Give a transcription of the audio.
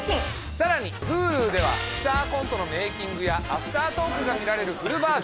さらにＨｕｌｕでは「スタアコント」のメイキングやアフタートークが見られるフルバージョン。